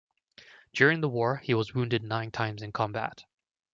During the war he was wounded nine times in combat.